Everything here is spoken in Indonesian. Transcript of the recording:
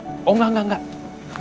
oh enggak enggak enggak